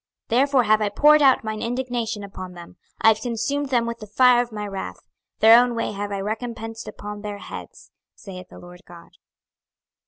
26:022:031 Therefore have I poured out mine indignation upon them; I have consumed them with the fire of my wrath: their own way have I recompensed upon their heads, saith the Lord GOD.